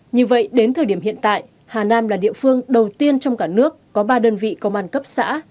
như vậy đến thời điểm hiện tại hà nam là địa phương đầu tiên trong cả nước có ba đơn vị công an cấp xã